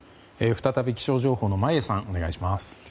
再び気象情報の眞家さんお願いします。